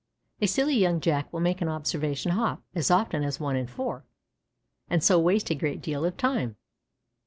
A silly young Jack will make an observation hop as often as one in four, and so waste a great deal of time.